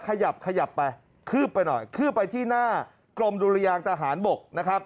ขยับขยับไปคืบไปหน่อยคืบไปที่หน้ากรมดุรยางทหารบกนะครับ